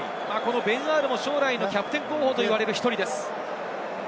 ベン・アールも将来のキャプテン候補といわれる１人です。